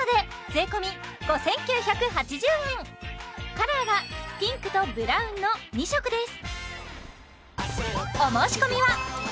カラーはピンクとブラウンの２色です